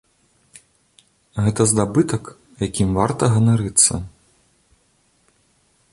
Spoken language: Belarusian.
Гэта здабытак, якім варта ганарыцца.